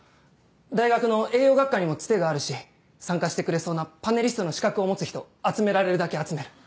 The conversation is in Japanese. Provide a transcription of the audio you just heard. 大学の栄養学科にもツテがあるし参加してくれそうなパネリストの資格を持つ人集められるだけ集める。